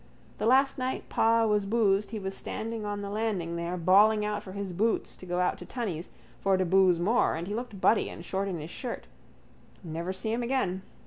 The last night pa was boosed he was standing on the landing there bawling out for his boots to go out to Tunney's for to boose more and he looked butty and short in his shirt. Never see him again.